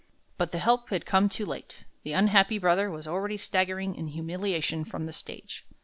But the help had come too late; the unhappy brother was already staggering in humiliation from the stage.